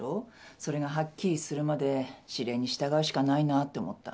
それがはっきりするまで指令に従うしかないなって思った。